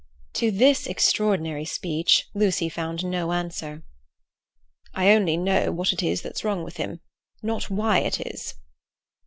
To this extraordinary speech Lucy found no answer. "I only know what it is that's wrong with him; not why it is."